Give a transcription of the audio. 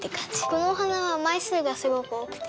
このお花は枚数がすごく多くて。